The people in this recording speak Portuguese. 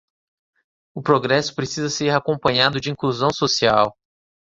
O progresso precisa ser acompanhado de inclusão social